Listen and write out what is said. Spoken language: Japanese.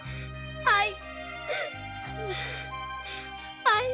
はい。